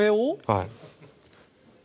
はい。